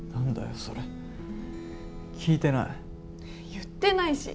言ってないし。